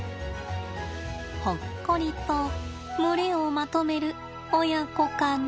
ほっこりと群れをまとめる親子かな。